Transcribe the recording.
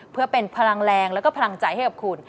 เพื่อเป็นพลังแรงแล้วก็พลังใจให้กับคุณ